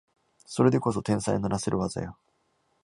それでこそ天才のなせる技よ